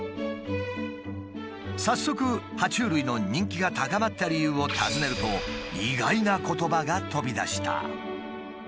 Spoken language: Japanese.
早速は虫類の人気が高まった理由を尋ねると意外な言葉が飛び出した。